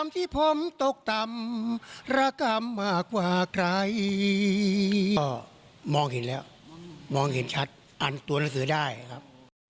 มองเห็นแล้วมองเห็นชัดอ่านตัวหนังสือได้ครับ